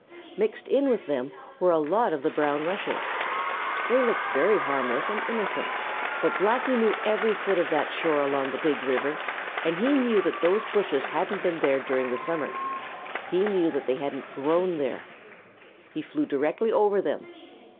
Mixed in with them were a lot of the brown rushes. They looked very harmless and innocent. But Blacky knew every foot of that shore along the Big River, and he knew that those bushes hadn't been there during the summer. He knew that they hadn't grown there. He flew directly over them.